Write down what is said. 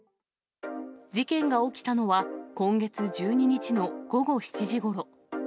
事件が起きたのは、今月１２日の午後７時ごろ。